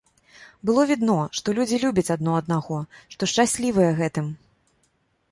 Было відно, што людзі любяць адно аднаго, што шчаслівыя гэтым.